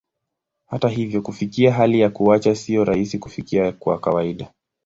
Hata hivyo, kufikia hali ya kuacha sio rahisi kufikia kwa kawaida.